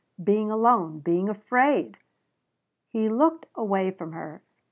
Being alone. Being afraid." He looked away from her.